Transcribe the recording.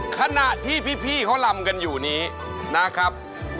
ขณะที่พี่เขาลำกันอยู่นี้นะครับ